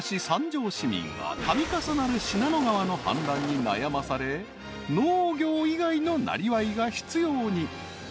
三条市民は度重なる信濃川の氾濫に悩まされ農業以外のなりわいが必要に］